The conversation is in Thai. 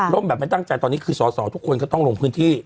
แบบไม่ตั้งใจตอนนี้คือสอสอทุกคนก็ต้องลงพื้นที่